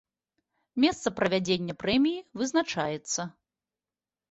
Месца правядзення прэміі вызначаецца.